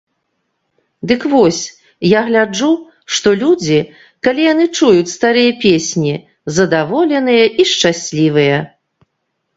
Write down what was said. Дык вось, я гляджу, што людзі, калі яны чуюць старыя песні, задаволеныя і шчаслівыя.